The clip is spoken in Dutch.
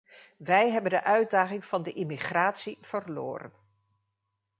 Wij hebben de uitdaging van de immigratie verloren.